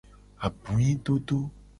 Abuidodo.